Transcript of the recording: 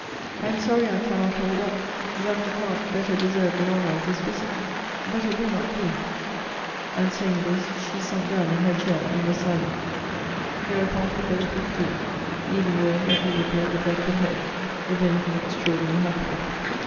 I am sorry I cannot hold up; that I cannot better deserve the honour of this visit but it will not be and saying this, she sunk down in her chair, and was silent. Hereupon we both withdrew, leaving word that we would be at the Bedford Head, if any thing extraordinary happened.